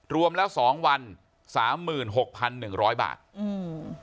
รวมแล้วสองวันสามหมื่นหกพันหนึ่งร้อยบาทอืม